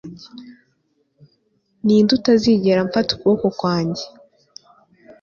Ni nde utazigera mfata ukuboko kwanjye